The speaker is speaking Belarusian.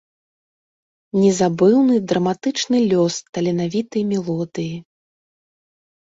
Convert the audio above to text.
Незабыўны, драматычны лёс таленавітай мелодыі.